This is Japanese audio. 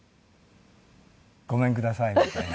「ごめんください」みたいな。